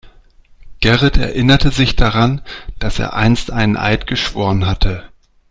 Gerrit erinnerte sich daran, dass er einst einen Eid geschworen hatte.